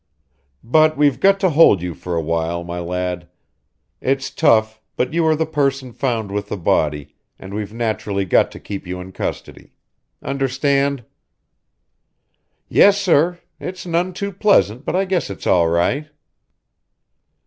"But we've got to hold you for a while, my lad. It's tough, but you were the person found with the body, and we've naturally got to keep you in custody. Understand?" "Yes, sir. It's none too pleasant, but I guess it's all right."